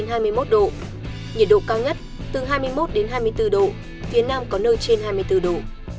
nhiệt độ cao nhất từ hai mươi một đến hai mươi bốn độ phía nam có nơi trên hai mươi bốn độ